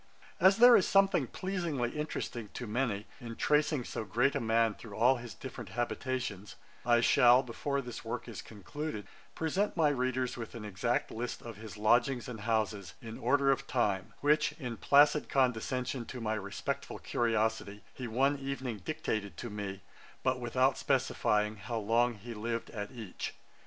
As there is something pleasingly interesting, to many, in tracing so great a man through all his different habitations, I shall, before this work is concluded, present my readers with an exact list of his lodgings and houses, in order of time, which, in placid condescension to my respectful curiosity, he one evening dictated to me, but without specifying how long he lived at each.